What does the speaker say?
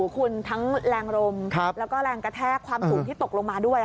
คุณทั้งแรงลมแล้วก็แรงกระแทกความสูงที่ตกลงมาด้วย